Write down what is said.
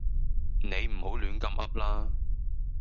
你唔好亂咁噏啦